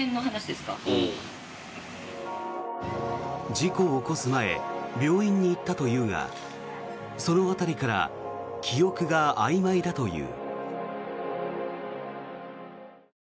事故を起こす前病院に行ったというがその辺りから記憶があいまいだという。